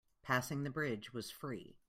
Passing the bridge was free.